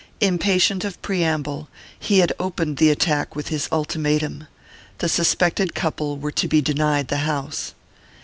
Impatient of preamble, he had opened the attack with his ultimatum: the suspected couple were to be denied the house.